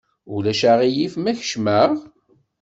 Ulac aɣilif ma kecmeɣ?